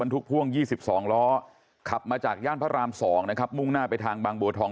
ทุกพ่วง๒๒ล้อขับมาจากย่านพระราม๒นะครับมุ่งหน้าไปทางบางบัวทอง